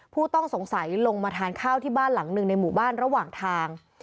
ผู้ต้องสงสัยลงมาทานข้าวที่บ้านหลังหนึ่งในหมู่บ้านระหว่างทาง